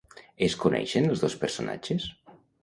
Es coneixen els dos personatges?